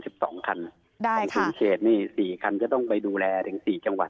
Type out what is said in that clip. ของสูงเชษนี่๔คันจะต้องไปดูแลถึง๔จังหวัด